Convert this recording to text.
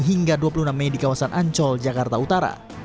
hingga dua puluh enam mei di kawasan ancol jakarta utara